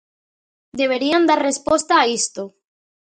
Deberían dar resposta a isto.